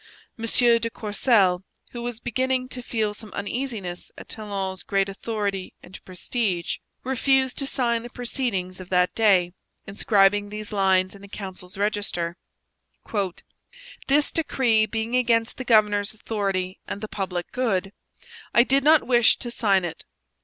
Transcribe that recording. M. de Courcelle, who was beginning to feel some uneasiness at Talon's great authority and prestige, refused to sign the proceedings of that day, inscribing these lines in the council's register: 'This decree being against the governor's authority and the public good, I did not wish to sign it.'